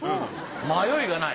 迷いがない。